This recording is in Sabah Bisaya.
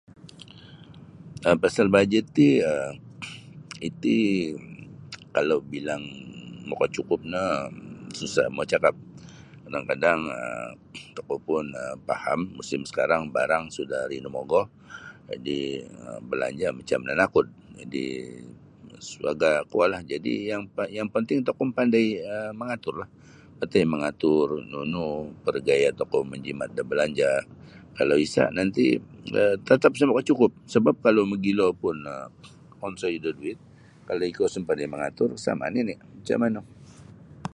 um pasal bajet ti um iti kalau bilang makacukup no susah mau cakap kadang-kadang um tokou pun faham musim sakarang barang sudah rinomogo jadi' balanja' macam nanakud jadi' [unintelligible] kuolah jadi' yang panting tokou mapandai mangaturlah pandai mangatur nunu kuro gaya' tokou manjimat da balanja' kalau isa' nanti' tatap isa makacukup sabap kalau mogilo pun onsoi da duit kalau ikou isa' mapandai mangatur sama' nini' macam manu.